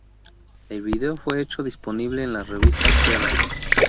El vídeo fue hecho disponible en la revista Kerrang!